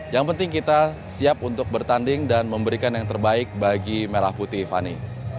yang penting kita siap untuk bertanding dan memberikan yang terbaik bagi merah putih fani